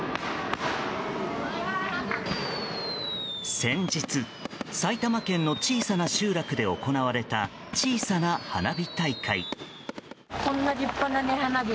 先日、埼玉県の小さな集落で行われた小さな花火大会。